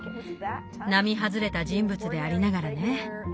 並外れた人物でありながらね。